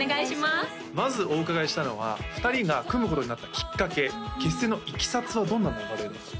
まずお伺いしたいのは２人が組むことになったきっかけ結成のいきさつはどんな流れだったんですか？